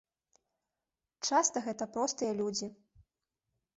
Часта гэта простыя людзі.